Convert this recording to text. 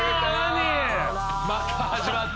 また始まった。